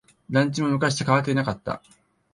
団地も昔と変わっていなかった。